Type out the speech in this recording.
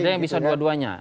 ada yang bisa dua duanya